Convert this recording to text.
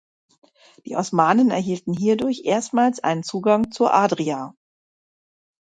Die Osmanen erhielten hierdurch erstmals einen Zugang zur Adria.